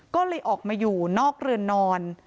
ก็เลยออกมาอยู่นอกเรือนนอน